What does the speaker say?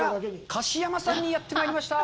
かしやまさんにやってまいりました。